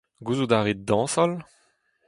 Gouzout a rit dañsal.